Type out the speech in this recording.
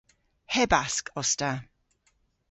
Hebask os ta.